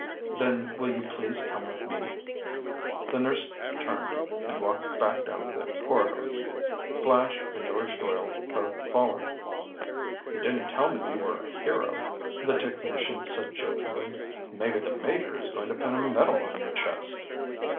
"Then will you please come with me?" The nurse turned and walked back down the corridor. Flash and George Doyle both followed. "You didn't tell me you were a hero," the technician said jokingly. "Maybe the Major is going to pin a medal on your chest!"